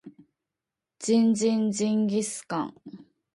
ジンジンジンギスカン